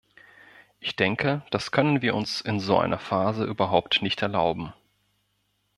Ich denke, das können wir uns in so einer Phase überhaupt nicht erlauben.